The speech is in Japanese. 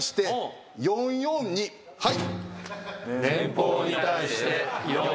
はい。